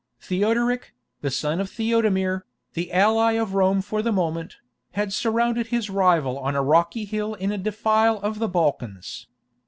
Theodoric, the son of Theodemir, the ally of Rome for the moment, had surrounded his rival on a rocky hill in a defile of the Balkans.